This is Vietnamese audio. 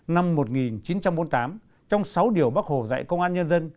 năm một nghìn chín trăm bốn mươi tám trong sáu điều bác hồ dạy công an nhân dân